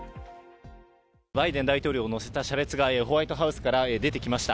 バイデン大統領を乗せた車列がホワイトハウスから出てきました。